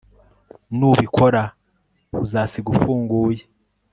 Nubikora uzasiga ufunguye